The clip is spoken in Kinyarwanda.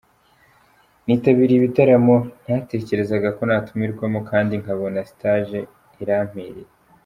Nitabiriye ibitaramo ntatekerezaga ko natumirwamo kandi nkabona stage irampiriye.